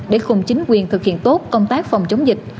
để cùng chính quyền thực hiện tốt công tác phòng chống dịch